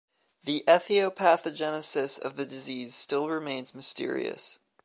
The ethiopathogenesis of the disease still remains mysterious.